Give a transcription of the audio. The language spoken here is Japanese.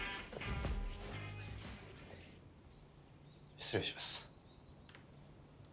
失礼します。